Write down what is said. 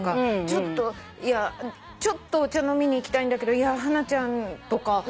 ちょっといやちょっとお茶飲みに行きたいんだけどハナちゃんとか。